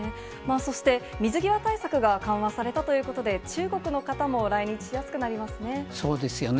そして、水際対策が緩和されたということで、中国の方も来日しやそうですよね。